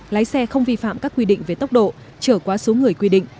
lái xe không vi phạm các quy định về tốc độ trở quá số người quy định